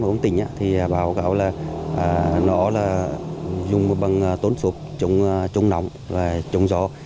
và bộ công tỉnh báo cáo là nó dùng bằng tốn sụp chống nóng chống gió